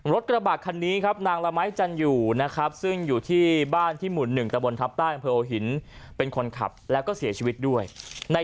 รถกระบาดถูกชนด้วยอ่าบริเวณด้านหน้าห้องเครืองนั้น